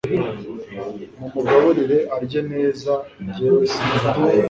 mumugaburire arye neza gewe simpari